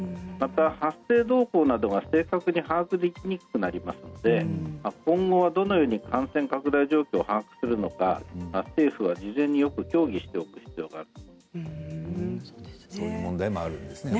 また発生動向などが正確に把握できなくなりますので今後はどのように感染拡大状況を把握するのか政府が事前によく協議しておく必要があります。